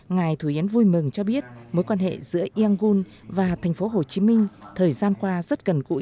ngài thủ hiến vui mừng cho biết mối quan hệ giữa yangon và thành phố hồ chí minh thời gian qua rất gần cũ